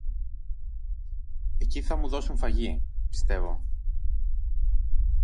Εκεί θα μου δώσουν φαγί, πιστεύω